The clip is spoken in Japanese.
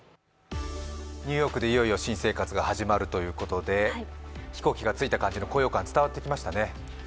ニューヨークでいよいよ新生活が始まるということで、飛行機が着いた感じの高揚感、伝わってきましたね。